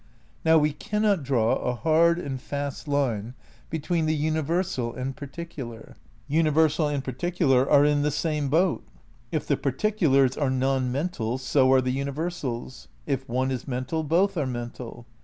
Now we cannot draw a hard and fast line between the universal and particular. Universal and particu lar are in the same boat. If the particulars are non mental so are the universals, if one is mental both are mental.